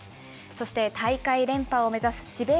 そして大会連覇を目指す智弁